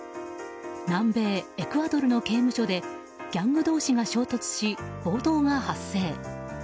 南米エクアドルの刑務所でギャング同士が衝突し暴動が発生。